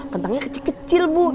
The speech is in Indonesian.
kentangnya kecil kecil bu